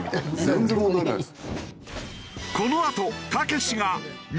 全然問題ないです。